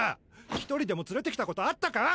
１人でも連れて来たことあったか！？